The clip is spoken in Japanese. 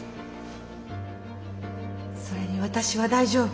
それに私は大丈夫。